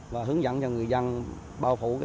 và hướng dẫn cho người dân bao phủ